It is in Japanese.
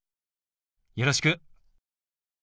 よろしく。